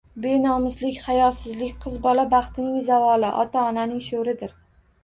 Benomuslik, hayosizlik qiz bola baxtining zavoli, ota-onaning sho‘ridir.